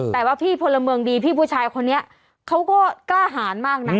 แต่ว่าพี่พลเมืองดีพี่ผู้ชายคนนี้เขาก็กล้าหารมากนะ